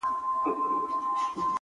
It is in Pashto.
بنگړي نه غواړم-